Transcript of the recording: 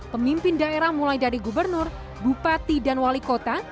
pemimpin daerah mulai dari gubernur bupati dan wali kota